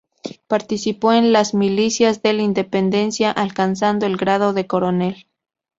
Participó en las milicias de independencia, alcanzando el grado de coronel.